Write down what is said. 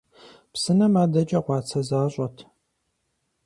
Псынэм адэкӀэ къуацэ защӀэт.